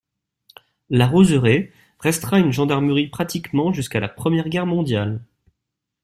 La Roseraie restera une gendarmerie pratiquement jusqu'à la Première Guerre mondiale.